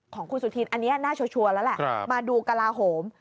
ของคุณสุธินอันนี้หน้าชัวร์แล้วแหละมาดูกระลาโหม